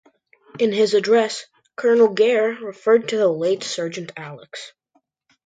In his address Colonel Gair referred to the late Sergeant Alex.